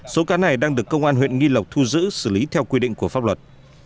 số cá này đang được công an huyện nghi lộc thu giữ xử lý theo quy định của pháp luật